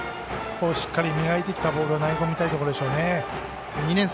しっかり磨いてきたボールを投げ込みたいところですね。